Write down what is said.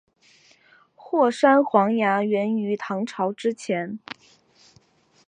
霍山黄芽源于唐朝之前。